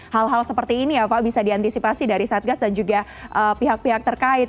hal hal seperti ini ya pak bisa diantisipasi dari satgas dan juga pihak pihak terkait